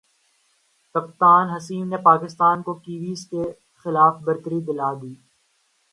کپتان حسیم نے پاکستان کو کیویز کے خلاف برتری دلا دی